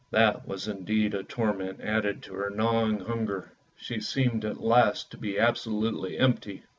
That was indeed a torment added to her gnawing hunger; she seemed at last to be absolutely empty.